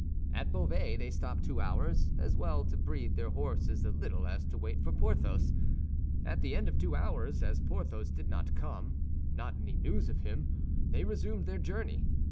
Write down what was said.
At Beauvais they stopped two hours, as well to breathe their horses a little as to wait for Porthos. At the end of two hours, as Porthos did not come, not any news of him, they resumed their journey.